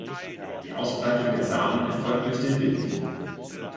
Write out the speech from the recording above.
Die Ausbreitung der Samen erfolgt durch den Wind.